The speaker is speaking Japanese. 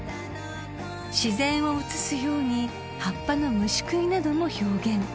［自然を写すように葉っぱの虫食いなども表現］